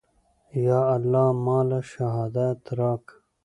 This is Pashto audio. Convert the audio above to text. يا الله ما له شهادت راکه.